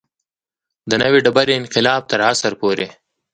د نوې ډبرې انقلاب تر عصر پورې.